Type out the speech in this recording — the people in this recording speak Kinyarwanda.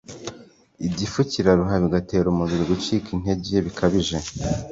igifu kiraruha bigateza umubiri gucika intege bikabije